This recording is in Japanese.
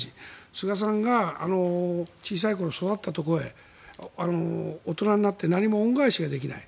菅さんが小さい頃育ったところへ大人になって何も恩返しができない。